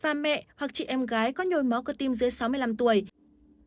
và mẹ hoặc chị em gái có nhồi máu cơ tim dưới sáu mươi năm tuổi